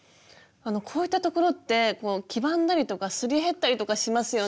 こういった所って黄ばんだりとかすり減ったりとかしますよね。